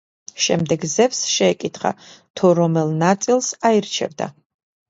შემდეგ ზევსს შეეკითხა, თუ რომელ ნაწილს აირჩევდა.